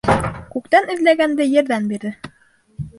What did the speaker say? Күктән эҙләгәнде ерҙән бирҙе.